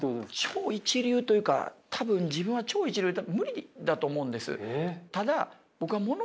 超一流というか多分自分は超一流多分無理だと思うんです。